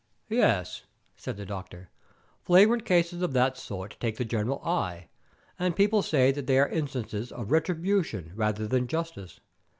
"Yes," said the doctor, "flagrant cases of that sort take the general eye, and people say that they are instances of retribution rather than justice.